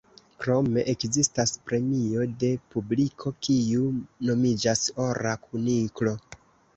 Krome ekzistas premio de publiko, kiu nomiĝas Ora Kuniklo.